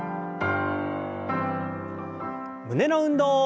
胸の運動。